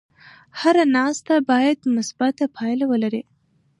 هره ناسته باید مثبته پایله ولري.